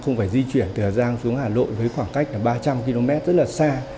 không phải di chuyển từ hà giang xuống hà nội với khoảng cách là ba trăm linh km rất là xa